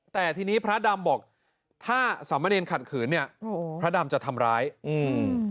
แต่ทีนี้พระดำบอกถ้าสามเณรขัดขืนเนี้ยโอ้โหพระดำจะทำร้ายอืม